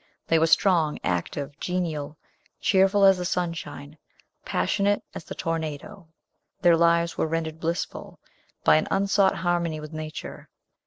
They were strong, active, genial, cheerful as the sunshine, passionate as the tornado. Their lives were rendered blissful by art unsought harmony with nature.